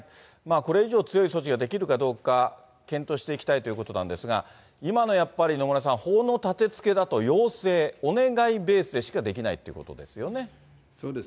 これ以上、強い措置ができるかどうか、検討していきたいということなんですが、今のやっぱり、野村さん、法のたてつけだと要請、お願いベースでしかできないってことです